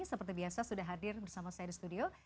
seperti biasa sudah hadir bersama saya di studio